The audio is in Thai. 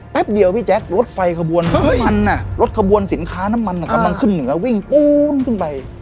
เดียวพี่แจ๊ครถไฟขบวนน้ำมันรถขบวนสินค้าน้ำมันกำลังขึ้นเหนือวิ่งปูนขึ้นไป